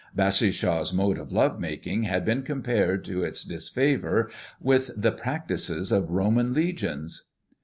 Bassishaw's mode of love making had been compared to its disfavour with the practices of Roman legions.